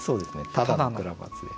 「ただの倉松です」。